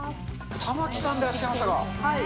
玉城さんでいらっしゃいましはい。